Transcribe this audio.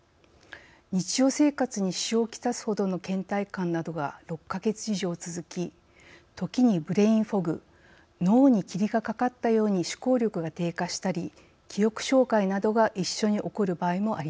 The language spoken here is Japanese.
日常生活に支障をきたすほどのけん怠感などが６か月以上続き時にブレイン・フォグ脳に霧がかかったように思考力が低下したり記憶障害などが一緒に起こる場合もあります。